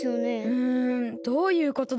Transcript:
うんどういうことだろう？